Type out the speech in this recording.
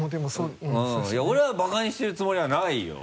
いや俺はバカにしてるつもりはないよ。